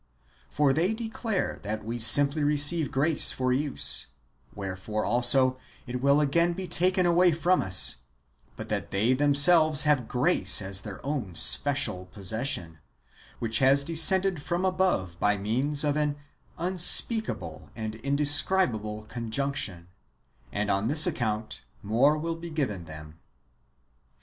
For they declare that we simply receive grace for use, wherefore also it will again be taken away from us; but that they themselves have grace as their own special possession, which has descended from above by means of an unspeakable and indescribable con junction; and on this account more will be given them.